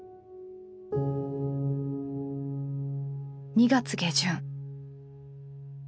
２月下旬。